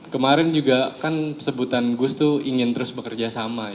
kemarin juga kan sebutan gus tuh ingin terus bekerja sama